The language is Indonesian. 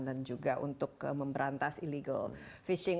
dan juga untuk memberantas illegal fishing